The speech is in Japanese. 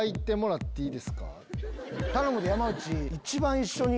頼むで山内。